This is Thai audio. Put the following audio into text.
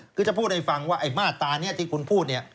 คือจะพูดให้ฟังว่าไอ้มาตรานี้ที่คุณพูดเนี่ย